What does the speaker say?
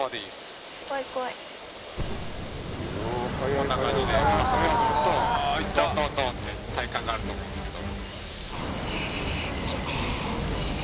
こんな感じで加速するととんとんとんって体感があると思うんですけど。